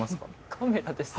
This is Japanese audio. カメラですか？